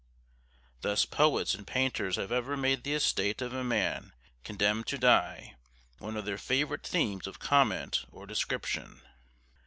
Thus poets and painters have ever made the estate of a man condemned to die one of their favourite themes of comment or description.